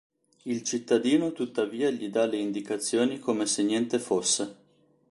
Il cittadino tuttavia gli dà le indicazioni come se niente fosse.